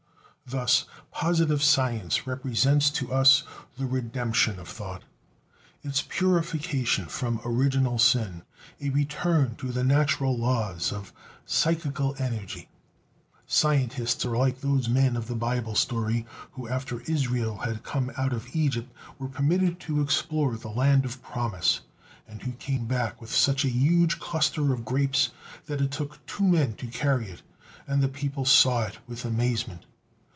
Thus positive science represents to us the "redemption" of thought; its purification from original sin, a return to the natural laws of psychical energy. Scientists are like those men of the Bible story who, after Israel had come out of Egypt, were permitted to explore the Land of Promise, and who came back with such a huge cluster of grapes that it took two men to carry it, and the people saw it with amazement.